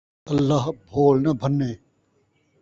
اللہ بھول نہ بھَنّے